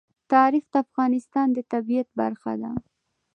تاریخ د افغانستان د طبیعت برخه ده.